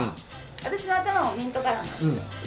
私の頭もミントカラーなんですよ。